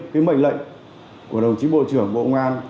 cái mệnh lệnh của đồng chí bộ trưởng bộ ngoan